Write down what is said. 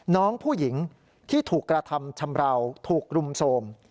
น้องผู้หญิงที่ถูกกระทำชำราวถูกรุมโทรม